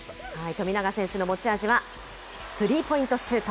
富永選手の持ち味はスリーポイントシュート。